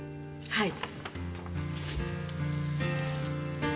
はい。